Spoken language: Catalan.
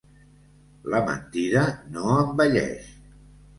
La mentida no envelleix.